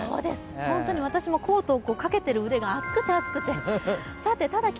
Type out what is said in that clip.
本当に私もコートをかけてる腕が、あつくてあつくて。